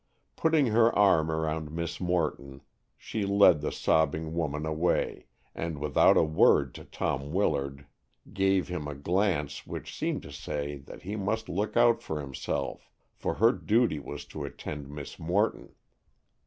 Putting her arm around Miss Morton, she led the sobbing woman away, and without a word to Tom Willard gave him a glance which seemed to say that he must look out for himself, for her duty was to attend Miss Morton.